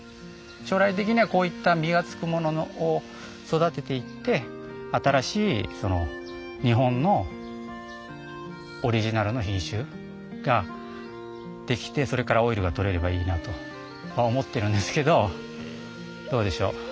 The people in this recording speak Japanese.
将来的にはこういった実がつくものを育てていって新しい日本のオリジナルの品種が出来てそれからオイルが採れればいいなと思ってるんですけどどうでしょう？